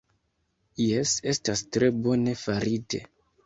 Jes, estas tre bone farite